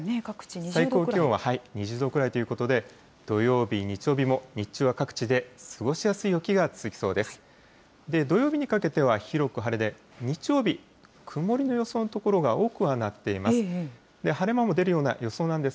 最高気温は２０度くらいということで、土曜日、日曜日も日中は各地で過ごしやすい陽気が続きそうです。